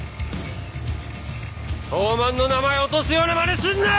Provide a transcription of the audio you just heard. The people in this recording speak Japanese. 東卍の名前落とすようなまねすんな！